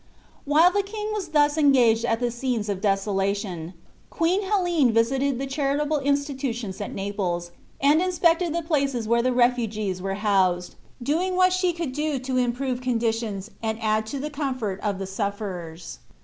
While the King was thus engaged at the scenes of desolation, Queen Helene visited the charitable institutions at Naples and inspected the places where the refugees were housed, doing what she could to improve conditions and add to the comfort of the sufferers.